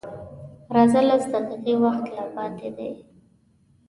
_راځه! لس دقيقې وخت لا پاتې دی.